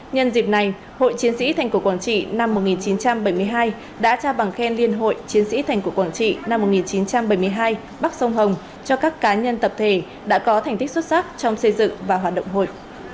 nhân dịp này hội chiến sĩ thành cổ quảng trị năm một nghìn chín trăm bảy mươi hai đã trao bằng khen liên hội chiến sĩ thành cổ quảng trị năm một nghìn chín trăm bảy mươi hai bắc sông hồng cho các cá nhân tập thể đã có thành tích xuất sắc trong xây dựng và hoạt động hội